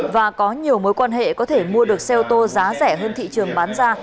và có nhiều mối quan hệ có thể mua được xe ô tô giá rẻ hơn thị trường bán ra